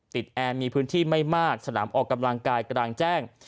แอร์มีพื้นที่ไม่มากสนามออกกำลังกายกลางแจ้ง